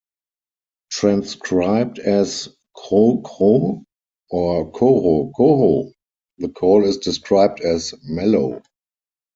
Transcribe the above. Transcribed as "kro kro" or "koro koro", the call is described as "mellow".